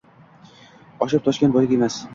Oshib-toshgan boylik emas